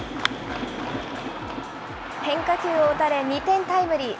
変化球を打たれ、２点タイムリー。